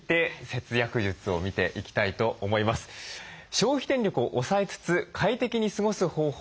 消費電力を抑えつつ快適に過ごす方法